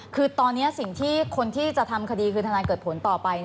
คือตอนนี้สิ่งที่คนที่จะทำคดีคือทนายเกิดผลต่อไป